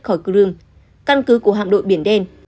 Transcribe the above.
khỏi crimea căn cứ của hạm đội biển đen